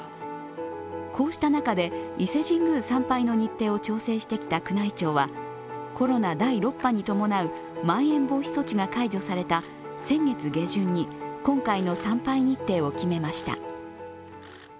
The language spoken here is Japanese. こうした中で、伊勢神宮参拝の日程を調整してきた宮内庁はコロナ第６波に伴うまん延防止措置が解除された先月下旬に今回の参拝日程を決めました。